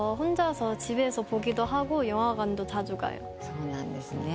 そうなんですね。